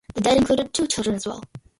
The dead included two children as well.